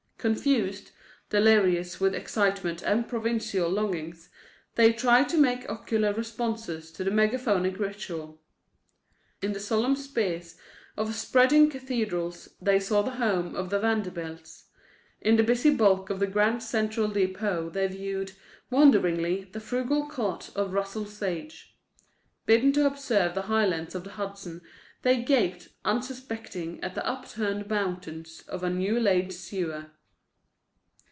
Confused, delirious with excitement and provincial longings, they tried to make ocular responses to the megaphonic ritual. In the solemn spires of spreading cathedrals they saw the home of the Vanderbilts; in the busy bulk of the Grand Central depot they viewed, wonderingly, the frugal cot of Russell Sage. Bidden to observe the highlands of the Hudson, they gaped, unsuspecting, at the upturned mountains of a new laid sewer.